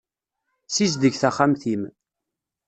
Sizdeg taxxamt-im.